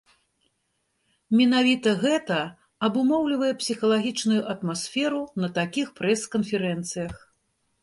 Менавіта гэта абумоўлівае псіхалагічную атмасферу на такіх прэс-канферэнцыях.